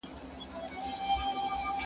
زه قلمان نه پاکوم!؟